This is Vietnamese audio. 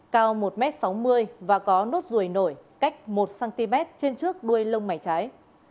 cao một m sáu mươi và có nốt ruồi nổi cách một cm trên trước đuôi lông mày trái